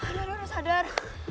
udah udah udah sadar